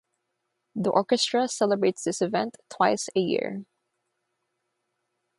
The orchestra celebrates this event twice a year.